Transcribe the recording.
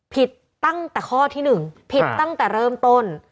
ผิดตั้งแต่ข้อที่๑ผิดตั้งแต่เริ่มต้น